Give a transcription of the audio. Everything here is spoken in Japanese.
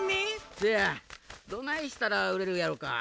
せやどないしたらうれるやろか。